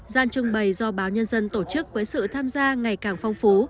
gian trưng bày do báo nhân dân tổ chức với sự tham gia ngày càng phong phú